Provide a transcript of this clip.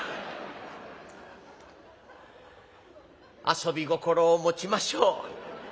遊び心を持ちましょう。